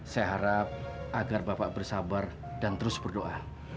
saya harap agar bapak bersabar dan terus berdoa